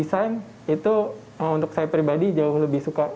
jadi dari segi desain itu untuk saya pribadi jauh lebih suka